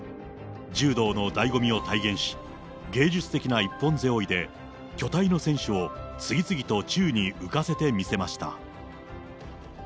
柔道のだいご味を体現し、芸術的な一本背負いで、巨体の選手を次々と宙に浮かせてみせました。